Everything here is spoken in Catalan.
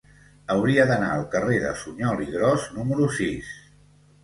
Hauria d'anar al carrer de Suñol i Gros número sis.